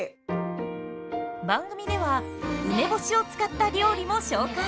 番組では梅干しを使った料理も紹介。